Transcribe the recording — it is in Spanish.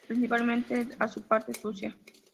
Y principalmente a su parte sucia".